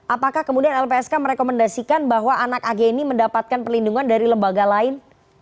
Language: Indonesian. apakah kemudian lpsk merekomendasikan bahwa anak ag ini mendapatkan perlindungan dari lembaga lain